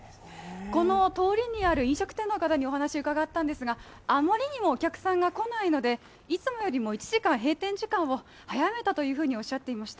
この通りにある飲食店の方にお話伺ったんですがあまりにもお客さんが来ないのでいつもより１時間、閉店時間を早めたというふうにおっしゃっていました。